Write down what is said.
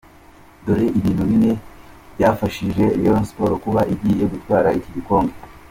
Dore ibintu bine byafashije Rayon Sports kuba igiye gutwara iki gikombe.